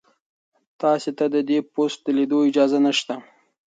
تاسي ته د دې پوسټ د لیدو اجازه نشته.